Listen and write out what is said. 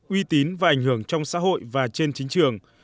uy tín và ảnh hưởng trong xã hội và trên chính trường